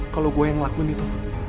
kalau gue yang ngelakuin itu